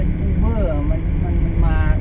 พี่พี่ลงในตามเมสเตอร์สมมุติเราจะแก้ทางทางที่